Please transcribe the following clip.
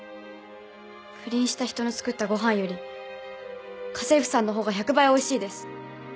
不倫した人の作ったご飯より家政婦さんの方が１００倍おいしいです。